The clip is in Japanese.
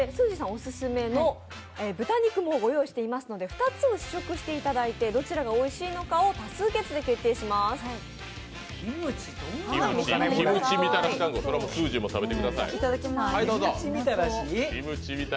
オススメの豚肉もご用意してありますので２つを試食していただいてどちらがおいしいかを多数決で決定していただきます。